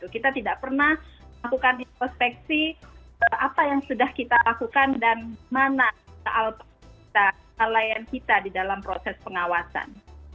kita tidak pernah melakukan introspeksi apa yang sudah kita lakukan dan mana kelalaian kita di dalam proses pengawasan